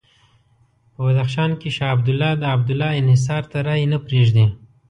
په بدخشان کې شاه عبدالله د عبدالله انحصار ته رایې نه پرېږدي.